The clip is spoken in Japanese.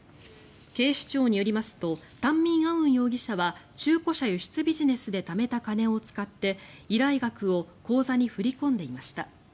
警視庁によりますとタンミンアウン容疑者は中古車輸出ビジネスでためた金を使って依頼額を口座に振り込んでいました。